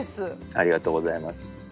「ありがとうございます」